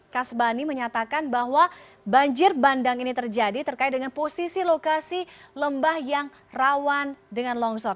kasbani menyatakan bahwa banjir bandang ini terjadi terkait dengan posisi lokasi lembah yang rawan dengan longsor